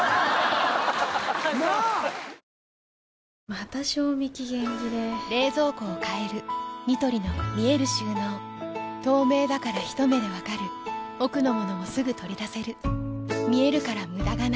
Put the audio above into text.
また賞味期限切れ冷蔵庫を変えるニトリの見える収納透明だからひと目で分かる奥の物もすぐ取り出せる見えるから無駄がないよし。